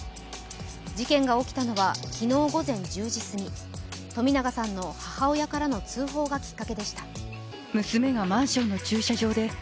事件が起きたのは昨日午前１０時すぎ、冨永さんの母親からの通報がきっかけでした。